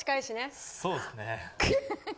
そうですね。